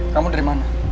kamu dari mana